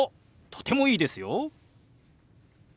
とてもいいですよ。